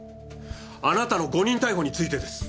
あなたの誤認逮捕についてです。